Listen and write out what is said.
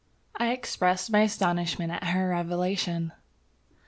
I expressed my astonishment at her revelation.